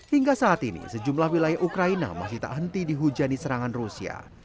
hingga saat ini sejumlah wilayah ukraina masih tak henti dihujani serangan rusia